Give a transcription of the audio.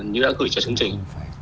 như đã gửi cho chương trình